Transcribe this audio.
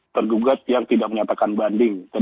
tergugat yang tidak menyatakan banding